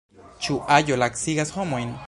Ĉu aĝo lacigas homojn?